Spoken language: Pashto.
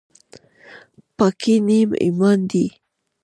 پاکي نیم ایمان دی